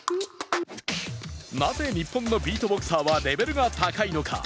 なぜ日本のビートボクサーはレベルが高いのか。